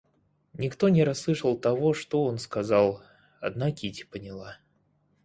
Никто не расслышал того, что он сказал, одна Кити поняла.